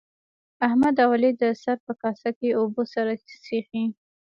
احمد او علي د سر په کاسه کې اوبه سره څښي.